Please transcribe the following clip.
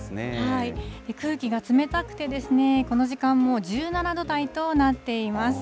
空気が冷たくて、この時間も１７度台となっています。